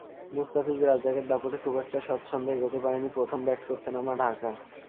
মুস্তাফিজ-রাজ্জাকের দাপটে খুব একটা স্বচ্ছন্দে এগোতে পারেনি প্রথম ব্যাট করতে নামা ঢাকা।